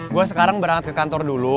gue sekarang berangkat ke kantor dulu